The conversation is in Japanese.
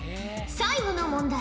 最後の問題